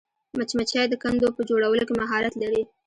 مچمچۍ د کندو په جوړولو کې مهارت لري